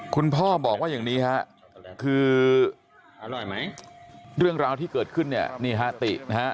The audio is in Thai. คุณพ่อบอกว่าอย่างนี้ฮะคือเรื่องราวที่เกิดขึ้นเนี่ยนี่ฮะตินะฮะ